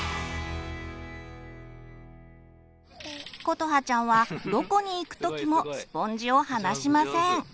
ことはちゃんはどこに行くときもスポンジを離しません。